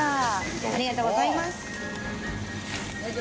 ありがとうございます。